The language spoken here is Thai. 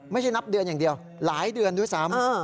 นับเดือนอย่างเดียวหลายเดือนด้วยซ้ำ